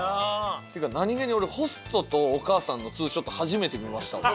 っていうか何げに俺ホストとお母さんのツーショット初めて見ましたわ。